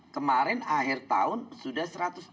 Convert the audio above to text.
kemarin akhir tahun sudah satu ratus tujuh